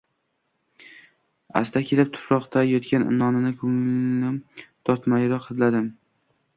Asta kelib, tuproqda yotgan nonni ko‘nglim tortmayroq hidladim